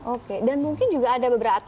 oke dan mungkin juga ada beberapa